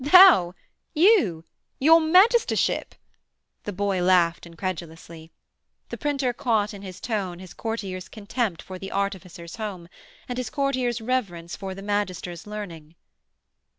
'Thou you your magistership?' the boy laughed incredulously. The printer caught in his tone his courtier's contempt for the artificer's home, and his courtier's reverence for the magister's learning.